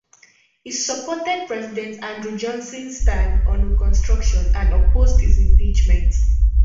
He supported President Andrew Johnson's stance on reconstruction and opposed his impeachment.